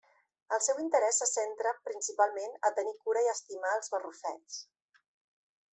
El seu interès se centra, principalment, a tenir cura i estimar els barrufets.